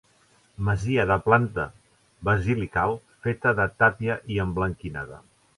Masia de planta basilical feta de tàpia i emblanquinada.